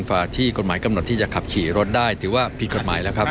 ที่กฎหมายกำหนดที่จะขับขี่รถได้ถือว่าผิดกฎหมายแล้วครับ